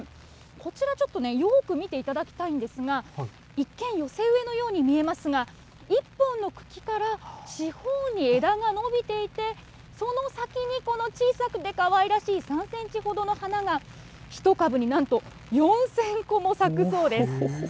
こちら、ちょっとね、よく見ていただきたいんですが、一見、寄せ植えのように見えますが、１本の茎から四方に枝がのびていて、その先にこの小さくてかわいらしい３センチほどの花が、１株になんと４０００個も咲くそうです。